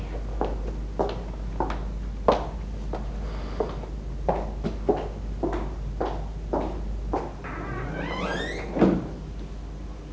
papep personaje ada ada